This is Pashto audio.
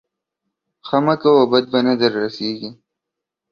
ښه مه کوه بد به نه در رسېږي.